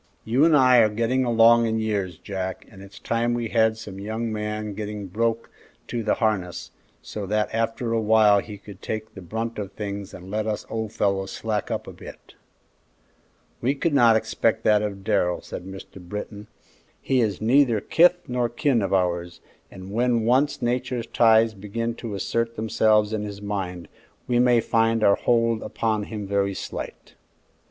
You and I are getting along in years, Jack, and it's time we had some young man getting broke to the harness, so that after a while he could take the brunt of things and let us old fellows slack up a bit." "We could not expect that of Darrell," said Mr. Britton. "He is neither kith nor kin of ours, and when once Nature's ties begin to assert themselves in his mind, we may find our hold upon him very slight."